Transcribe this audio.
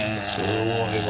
すごいわ。